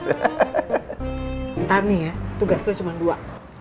ntar nih ya tugas lo cuma dua